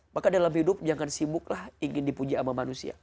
maka dalam hidup jangan sibuklah ingin dipuji sama manusia